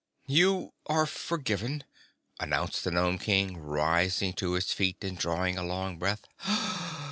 "You are forgiven," announced the Nome King, rising to his feet and drawing a long breath.